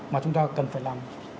mà chúng ta cần phải làm